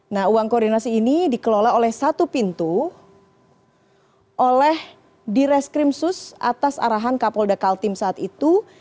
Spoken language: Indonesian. nah uang koordinasi ini dikelola oleh satu pintu oleh di reskrimsus atas arahan kapolda kaltim saat itu